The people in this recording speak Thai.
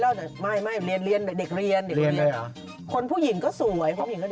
พ่อแม่เขาเป็นเด็กเรียนทั้งคู่